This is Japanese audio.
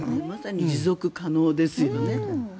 まさに持続可能ですよね。